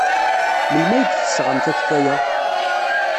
Melmi ay d-tesɣamt akeffay-a?